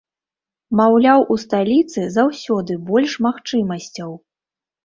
Маўляў, у сталіцы заўсёды больш магчымасцяў.